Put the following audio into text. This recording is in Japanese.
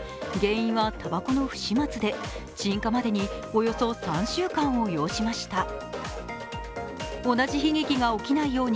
原因は、たばこの不始末で、鎮火までにおよそ３週間を要しました。